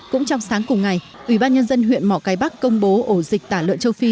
cũng trong sáng cùng ngày ủy ban nhân dân huyện mỏ cái bắc công bố ổ dịch tả lợn châu phi